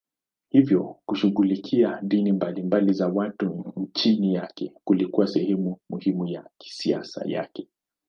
Hivyo kushughulikia dini mbalimbali za watu chini yake kulikuwa sehemu muhimu ya siasa yake.